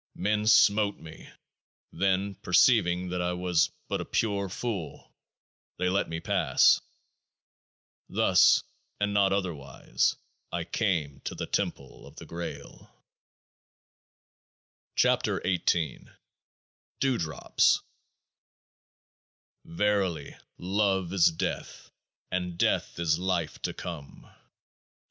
Men smote me ; then, perceiving that I was but a Pure Fool, they let me pass. Thus and not otherwise I came to the Temple of the Graal. 26 KE<t>AAH IH DEWDROPS Verily, love is death, and death is life to come.